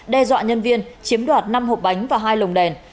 đe dọa nhân viên chiếm đoạt năm hộp bánh và hai lồng đèn